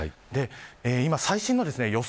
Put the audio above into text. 今、最新の予想